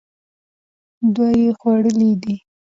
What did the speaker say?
دوه یې خولې دي.